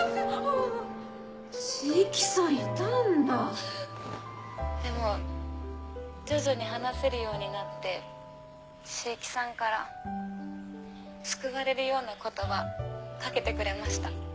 椎木さんいたんだでも徐々に話せるようになって椎木さんから救われるような言葉掛けてくれました。